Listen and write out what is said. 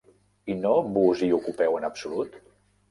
I no vos hi ocupeu en absolut?